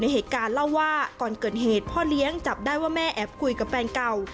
เหตุการณ์เล่าว่าก่อนเกิดเหตุพ่อเลี้ยงจับได้ว่าแม่แอบคุยกับแฟนเก่า